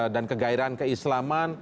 dan kegairahan keislaman